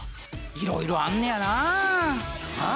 いろいろあんねやなあ。